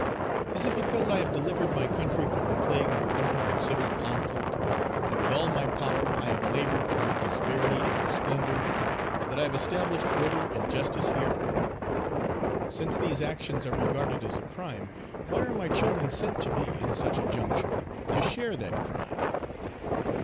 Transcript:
Is it because I have delivered my country from the plague of foreign and civil conflict; that with all my power I have labored for her prosperity and her splendor; that I have established order and justice here? Since these actions are regarded as a crime, why are my children sent to me, in such a juncture, to share that crime?